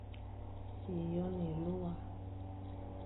Sioñ élôa,